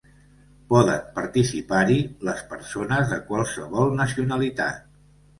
Poden participar-hi les persones de qualsevol nacionalitat.